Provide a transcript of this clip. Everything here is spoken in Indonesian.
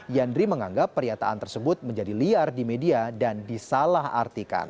yandri menganggap pernyataan tersebut menjadi liar di media dan disalah artikan